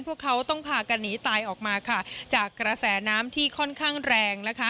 พวกเขาต้องพากันหนีตายออกมาค่ะจากกระแสน้ำที่ค่อนข้างแรงนะคะ